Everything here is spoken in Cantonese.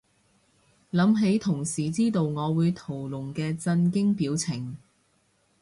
諗起同事知道我會屠龍嘅震驚表情